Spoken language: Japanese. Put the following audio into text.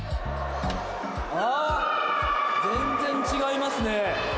あー、全然違いますね。